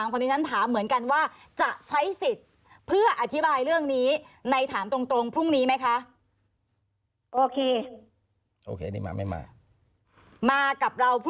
เพราะว่าชื่อเสียงศักดิ์นี้สำคัญกว่า